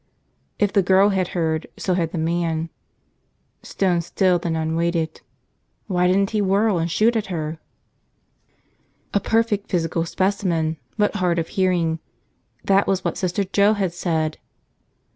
If the girl had heard, so had the man. Stone still, the nun waited. Why didn't he whirl and shoot at her? A perfect physical specimen but hard of hearing, that was what Sister Joe had said!